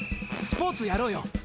スポーツやろうよ。